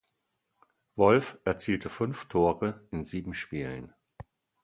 Wolf erzielte fünf Tore in sieben Spielen.